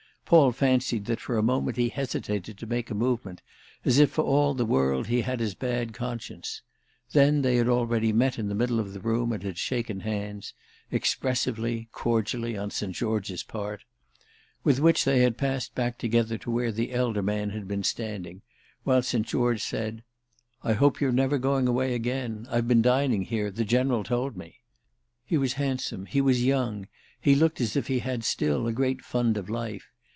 Paul fancied that for a moment he hesitated to make a movement, as if for all the world he had his bad conscience; then they had already met in the middle of the room and had shaken hands—expressively, cordially on St. George's part. With which they had passed back together to where the elder man had been standing, while St. George said: "I hope you're never going away again. I've been dining here; the General told me." He was handsome, he was young, he looked as if he had still a great fund of life.